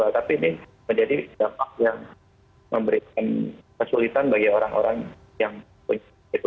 tapi ini menjadi dampak yang memberikan kesulitan bagi orang orang yang punya itu